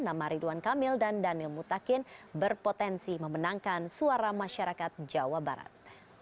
nama ridwan kamil dan daniel mutakin berpotensi memenangkan suara masyarakat jawa barat